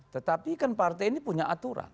tetapi kan partai ini punya aturan